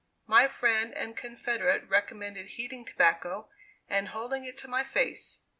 My friend and confederate recommended heating tobacco, and holding it to my face.